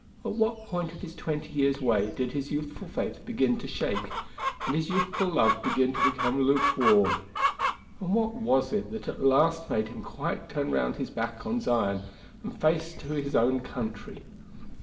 At what point of his twenty years' way did his youthful faith begin to shake, and his youthful love begin to become lukewarm? And what was it that at last made him quite turn round his back on Zion and his face to his own country?